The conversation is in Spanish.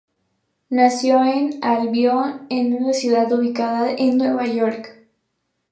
Nació en Albion, una ciudad ubicada en Nueva York.